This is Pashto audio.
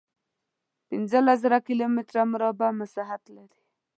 پنځلس زره کیلومتره مربع مساحت لري.